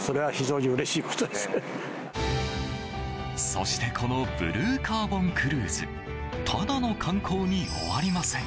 そしてこのブルーカーボンクルーズただの観光に終わりません。